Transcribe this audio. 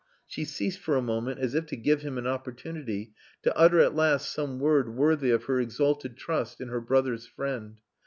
She ceased for a moment as if to give him an opportunity to utter at last some word worthy of her exalted trust in her brother's friend.